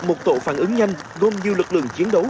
một tổ phản ứng nhanh gồm nhiều lực lượng chiến đấu